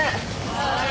はい。